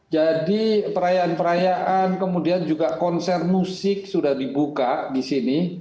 jadi perayaan perayaan kemudian juga konser musik sudah dibuka di sini